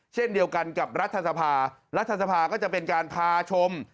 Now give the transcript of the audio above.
เช่นเดียวกันกับรัฐสภารัฐสภาก็จะเป็นการพาชม